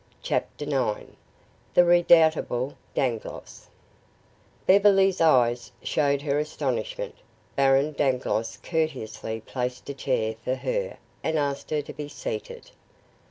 CHAPTER IX THE REDOUBTABLE DANGLOSS Beverly's eyes showed her astonishment. Baron Dangloss courteously placed a chair for her and asked her to be seated.